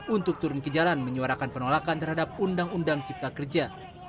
untuk turun ke jalan menyuarakan penolakan terhadap undang undang cipta kerja